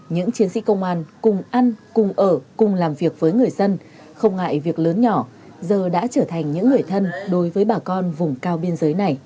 những chiến sĩ công an cùng ăn cùng ở cùng làm việc với người dân không ngại việc lớn nhỏ giờ đã trở thành những người thân đối với bà con vùng cao biên giới này